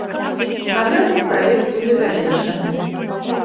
На гэтым праект будзе завершаны.